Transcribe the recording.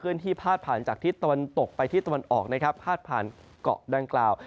เคลื่อนที่พาดผ่านจากที่ตะวันตกไปที่ตะวันออกพาดผ่านเกาะด้านกล่าว